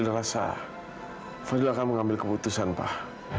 tidak bisa fadil akan mengambil keputusan pak